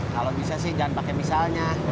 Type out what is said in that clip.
kalau bisa sih jangan pakai misalnya